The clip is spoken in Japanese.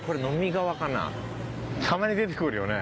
たまに出てくるよね。